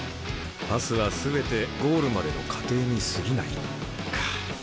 パスは全てゴールまでの過程にすぎないか。